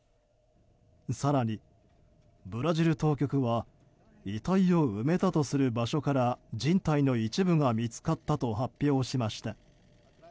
更に、ブラジル当局は遺体を埋めたとする場所から人体の一部が見つかったと発表しました。